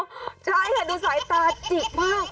มองกันให้ดูสายตาจิบมาก